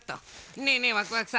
ねえねえワクワクさん。